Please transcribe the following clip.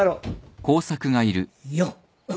よっ。